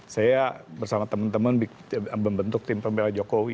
saya bersama teman teman membentuk tim pembela jokowi